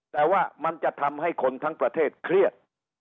แต่ว่ามันจะทำให้คนทั้งประเทศเครียด